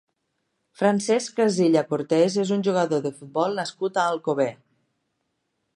Francesc Casilla Cortés és un jugador de futbol nascut a Alcover.